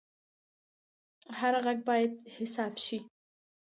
هر غږ باید حساب شي